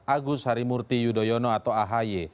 agus harimurti yudhoyono atau ahy